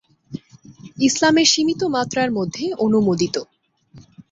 ইসলামে সীমিত মাত্রার মধ্যে অনুমোদিত।